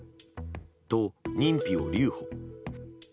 と、認否を留保。